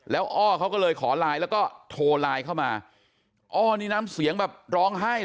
แล้วอ้อเขาก็เลยขอไลน์แล้วก็โทรไลน์เข้ามาอ้อนี่น้ำเสียงแบบร้องไห้